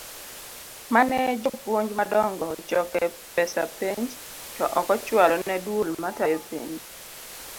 mane jopuonj madongo ochoke pesa penj to okochualo ne duol matayo penj.